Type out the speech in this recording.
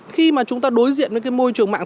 khi mà chúng ta đối diện với cái môi trường mạng